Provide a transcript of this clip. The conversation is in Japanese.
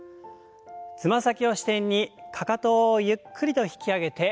つま先を支点にかかとをゆっくりと引き上げて下ろす運動です。